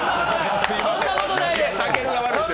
そんなことないです！